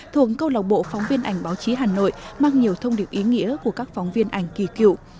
thuộc câu lạc bộ phóng viên ảnh báo chí hà nội mang nhiều thông điệp ý nghĩa của các phóng viên ảnh kỳ cựu